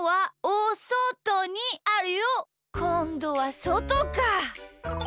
こんどはそとか。